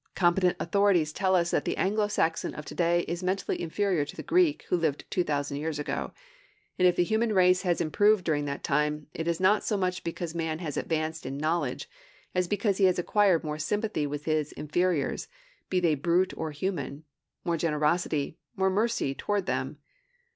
Competent authorities tell us that the Anglo Saxon of to day is mentally inferior to the Greek who lived two thousand years ago: and if the human race has improved during that time, it is not so much because man has advanced in knowledge as because he has acquired more sympathy with his inferiors, be they brute or human, more generosity, more mercy toward them.